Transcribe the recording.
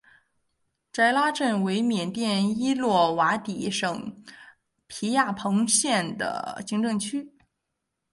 斋拉镇为缅甸伊洛瓦底省皮亚朋县的行政区。